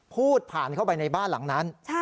พูดผ่านเข้าไปในบ้านหลังนั้น